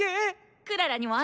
クララにもあるから。